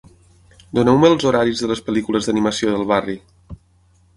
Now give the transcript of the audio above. Doneu-me els horaris de les pel·lícules d'animació del barri